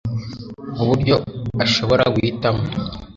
uburyo ashobora guhitamo